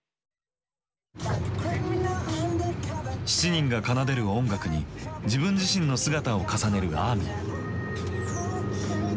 ７人が奏でる音楽に自分自身の姿を重ねるアーミー。